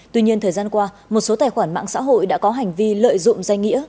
tuy nhiên thời gian qua một số tài khoản mạng xã hội đã có hành vi lợi dụng danh nghĩa